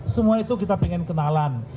semua itu kita pengen kenalan